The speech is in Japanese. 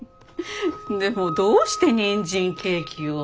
でもどうしてにんじんケーキを？